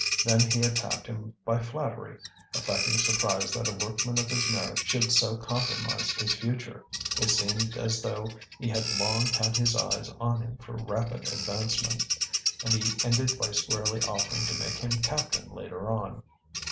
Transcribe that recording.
Then he attacked him by flattery, affecting surprise that a workman of his merit should so compromise his future. It seemed as though he had long had his eyes on him for rapid advancement; and he ended by squarely offering to make him captain later on.